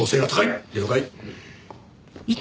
了解。